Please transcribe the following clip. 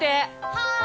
はい！